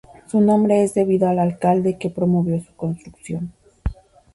Su nombre es debido al alcalde que promovió su construcción.